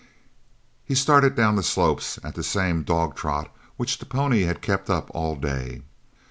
He started down the slope at the same dog trot which the pony had kept up all day.